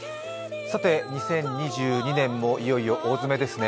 ２０２２年もいよいよ大詰めですね。